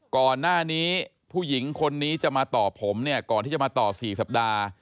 ก่อนหน้านี้ผู้หญิงคนนี้จะมาต่อผมเนี่ยก่อนที่จะมาต่อ๔สัปดาห์